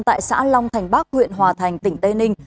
tại xã long thành bắc huyện hòa thành tỉnh tây ninh